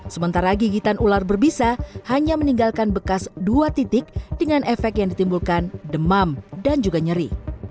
sementara gigitan ular berbisa hanya meninggalkan bekas dua titik dengan efek yang ditimbulkan demam dan juga nyeri